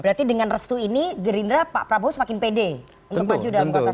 berarti dengan restu ini gerindra pak prabowo semakin pede untuk maju dalam kontestasi